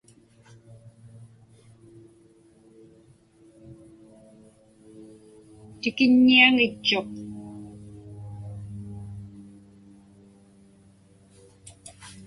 Tikiññiaŋitchuq.